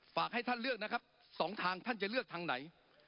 ฝากให้ท่านเลือกนะครับสองทางท่านจะเลือกทางไหน